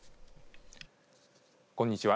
こんにちは。